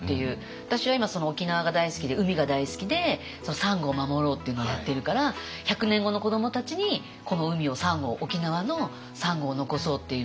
私は今沖縄が大好きで海が大好きでサンゴを守ろうっていうのをやってるから１００年後の子どもたちにこの海をサンゴを沖縄のサンゴを残そうっていうので。